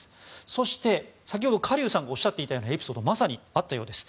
そして、先ほどカ・リュウさんがおっしゃっていたようなエピソードがまさにあったようです。